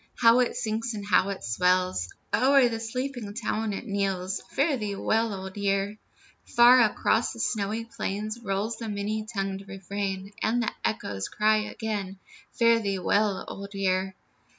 How it sinks and how it swells! O'er the sleeping town it knells, "Fare thee well, Old Year." Far across the snowy plain Rolls the many tongued refrain, And the echoes cry again, "Fare thee well, Old Year."